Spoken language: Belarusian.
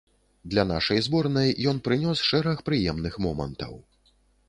Для нашай зборнай ён прынёс шэраг прыемных момантаў.